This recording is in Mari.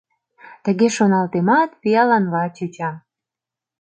Тыге шоналтемат, пиаланла чучам.